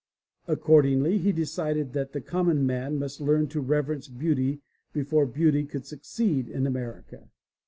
Ac cordingly, he decided that the common man must learn to reverence beauty before beauty could succeed in America.